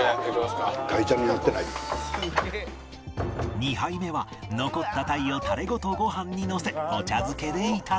２杯目は残った鯛をタレごとご飯にのせお茶漬けで頂く